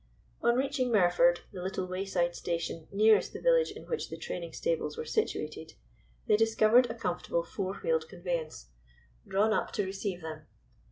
On reaching Merford, the little wayside station nearest the village in which the training stables were situated, they discovered a comfortable four wheeled conveyance drawn up to receive them.